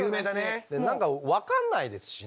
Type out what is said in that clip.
何か分かんないですしね。